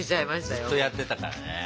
ずっとやってたからね。